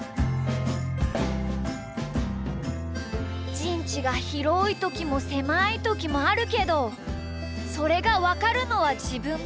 「じんちがひろいときもせまいときもあるけどそれがわかるのはじぶんだけ！